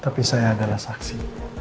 tapi saya adalah saksi